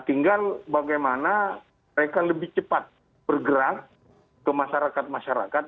tinggal bagaimana mereka lebih cepat bergerak ke masyarakat masyarakat